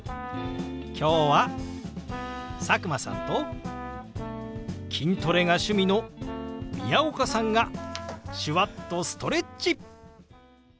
今日は佐久間さんと筋トレが趣味の宮岡さんが手話っとストレッチ！